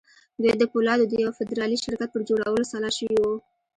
دوی د پولادو د يوه فدرالي شرکت پر جوړولو سلا شوي وو.